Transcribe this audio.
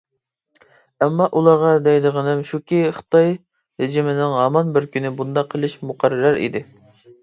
ئەمما ئۇلارغا دەيدىغىنىم شۇكى، خىتاي رېجىمنىڭ ھامان بىر كۈنى بۇنداق قېلىشى مۇقەررەر ئىدى.